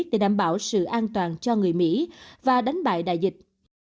để đảm bảo sự an toàn cho người mỹ và đánh bại đại dịch